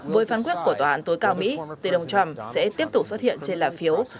với phán quyết của tòa án tối cao mỹ tên ông trump sẽ tiếp tục xuất hiện trên lạp phiếu